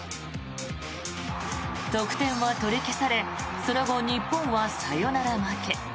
得点は取り消されその後、日本はサヨナラ負け。